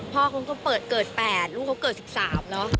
พ่อคงก็เปิดเกิด๘ลูกเขาเกิด๑๓แล้ว